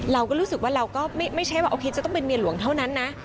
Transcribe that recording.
เราก็รู้สึกว่าเราก็ไม่ใช่ว่าโอเคจะต้องเป็นเมียหลวงเท่านั้นนะ